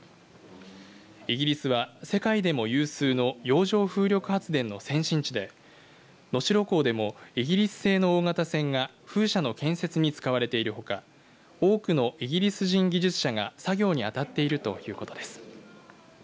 イギリスは世界でも有数の洋上風力発電の先進地で能代港でもイギリス製の大型船が風車の建設に使われているほか多くのイギリス人技術者が作業に当たっているということです。